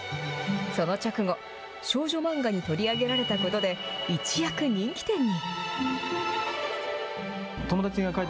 その直後、少女漫画に取り上げられたことで一躍人気店に。